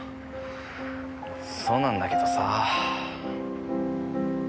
そうなんだけどさ。